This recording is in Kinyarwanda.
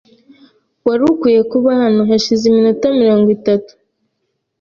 Wari ukwiye kuba hano hashize iminota mirongo itatu.